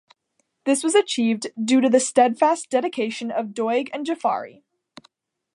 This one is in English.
This was achieved due to the steadfast dedication of Doig and Jaffari.